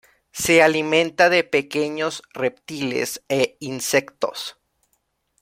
Se alimenta de pequeños reptiles e insectos.